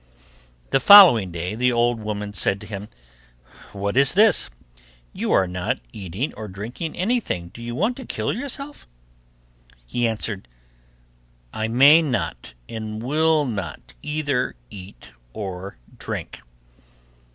The following day the old woman said to him, 'What is this? You are not eating or drinking anything, do you want to kill yourself?' He answered, 'I may not and will not either eat or drink.